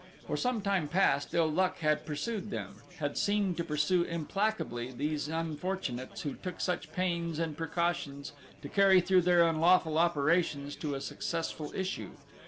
For some time past ill luck had pursued them, had seemed to pursue implacably these unfortunates who took such pains and precautions to carry through their unlawful operations to a successful issue.